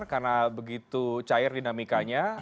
karena begitu cair dinamikanya